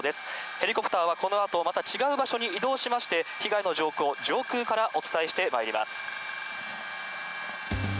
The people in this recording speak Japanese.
ヘリコプターはこのあと、また違う場所に移動しまして、被害の状況、上空からお伝えしてまいります。